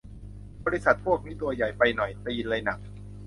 บริษัทพวกนี้ตัวใหญ่ไปหน่อย ตีนเลยหนัก